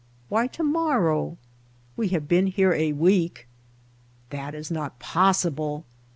"Why to morrow?" "We have been here a week." That is not possible!